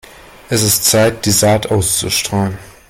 Es ist Zeit, die Saat auszustreuen.